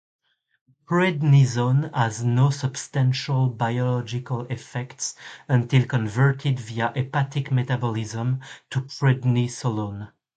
Prednisone has no substantial biological effects until converted via hepatic metabolism to prednisolone.